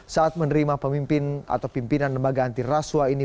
saat menerima pemimpin atau pimpinan lembaga anti raswa ini